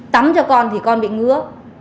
tắm cho con thì con bị ngứa